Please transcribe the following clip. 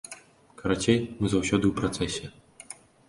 Карацей, мы заўсёды ў працэсе.